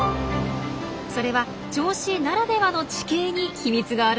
それは銚子ならではの地形に秘密があるんです。